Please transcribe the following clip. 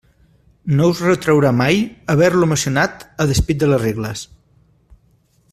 No us retraurà mai haver-lo emocionat a despit de les regles.